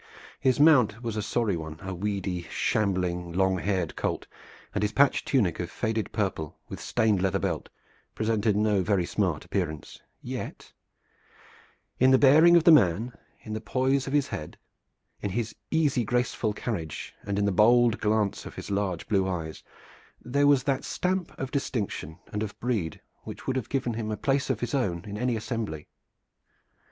His mount was a sorry one, a weedy, shambling, long haired colt, and his patched tunic of faded purple with stained leather belt presented no very smart appearance; yet in the bearing of the man, in the poise of his head, in his easy graceful carriage, and in the bold glance of his large blue eyes, there was that stamp of distinction and of breed which would have given him a place of his own in any assembly.